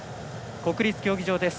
国立競技場です。